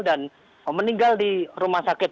dan meninggal di rumah sakit